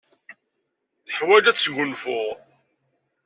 Teḥwaj ad tesgunfu.